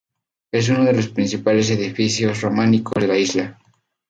Es uno de los principales edificios románicos de la isla.